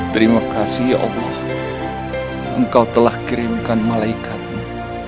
terima kasih ya allah engkau telah kirimkan malaikatmu